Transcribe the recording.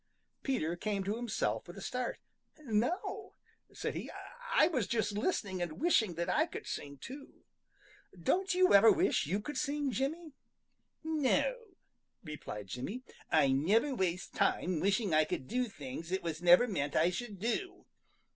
Peter came to himself with a start. "No," said he. "I was just listening and wishing that I could sing, too. Don't you ever wish you could sing, Jimmy?" "No," replied Jimmy. "I never waste time wishing I could do things it was never meant I should do.